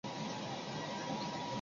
天顺七年。